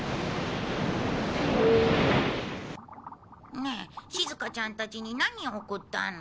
ねえしずかちゃんたちに何を贈ったの？